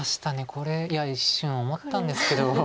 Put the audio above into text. これいや一瞬思ったんですけど。